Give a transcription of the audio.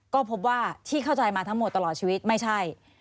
ก็พบว่าที่เข้าใจมาทั้งหมดตลอดชีวิตไม่ใช่